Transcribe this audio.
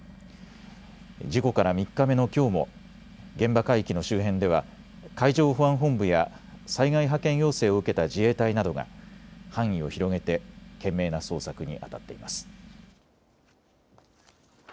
事故から３日目のきょうも現場海域の周辺では海上保安本部や災害派遣要請を受けた自衛隊などが範囲を広げて懸命な捜索にあたっています。